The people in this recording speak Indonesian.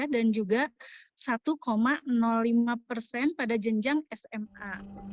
dan juga satu lima persen pada jenjang sma